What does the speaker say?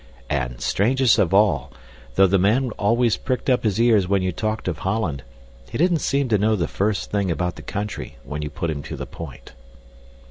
And, strangest of all, though the man always pricked up his ears when you talked of Holland, he didn't seem to know the first thing about the country when you put him to the point.